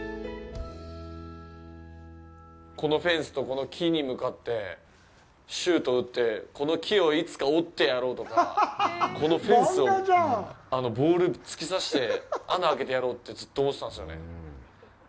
このフェンスとこの木に向かってシュートを打って、この木をいつか折ってやろうとか、このフェンスをボール突き刺して穴あけてやろうってずっと思ってたんですよね。